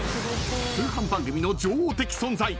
［通販番組の女王的存在］